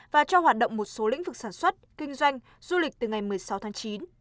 và cho hoạt động một số lĩnh vực sản xuất kinh doanh du lịch từ ngày một mươi sáu tháng chín